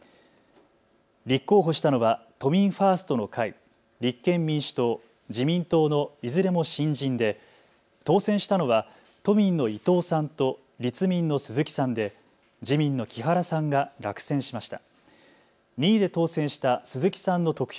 立候補したのは都民ファーストの会、立憲民主党、自民党のいずれも新人で当選したのは都民の伊藤さんと立民の鈴木さんで自民の木原さんが落選しました。